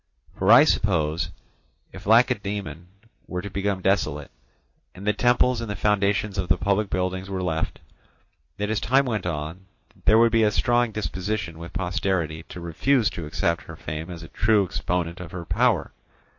For I suppose if Lacedaemon were to become desolate, and the temples and the foundations of the public buildings were left, that as time went on there would be a strong disposition with posterity to refuse to accept her fame as a true exponent of her power.